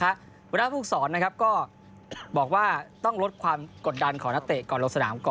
หมอถ้าไม่รู้สารพวกสอนก็บอกว่าต้องลดความกดดันของนัตเตะก่อนลดสนามก่อน